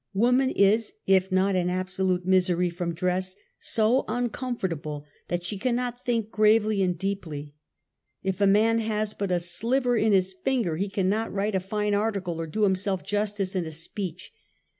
Woman is, if not in absolute misery from dress, so uncomfortable that she cannot think gravely 'and deeply. If a man has but a sliver in his finger, he cannot write a fine article or do himself justice in a speech.